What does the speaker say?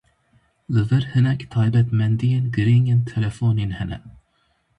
Li vir hinek taybetmendîyên girîng ên telefonên hene.